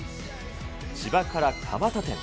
ちばから蒲田店。